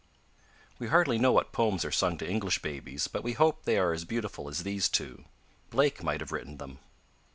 We hardly know what poems are sung to English babies, but we hope they are as beautiful as these two. Blake might have written them.